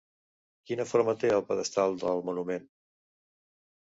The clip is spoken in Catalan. Quina forma té el pedestal del monument?